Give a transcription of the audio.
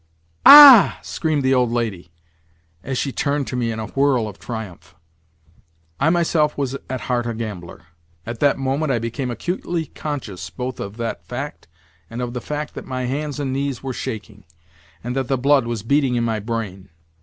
"Ah!!!" screamed the old lady as she turned to me in a whirl of triumph. I myself was at heart a gambler. At that moment I became acutely conscious both of that fact and of the fact that my hands and knees were shaking, and that the blood was beating in my brain.